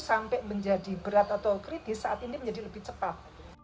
sampai menjadi berat atau kritis saat ini menjadi lebih cepat